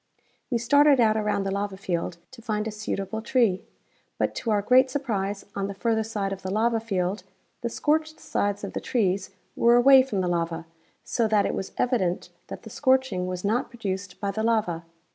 We started out around the lava field to find a suitable tree, but to our great surprise on the further side of the lava field the scorched sides of the trees were away from the lava, so that it was evident that the scorching was not produced by the lava.